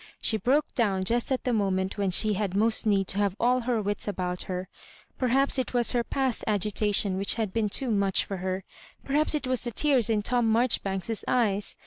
She broke down just at the moment when she had most need to have all her wits about her. Perhaps it was her past agitation which had been too much for her — perhaps it was the tears in Tom Marjoribanks*s eyes.